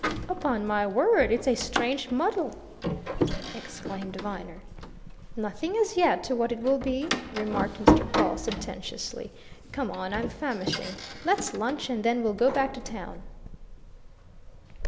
"Upon my word, it's a strange muddle!" exclaimed Viner. "Nothing as yet to what it will be," remarked Mr. Pawle sententiously. "Come on I'm famishing. Let's lunch and then we'll go back to town."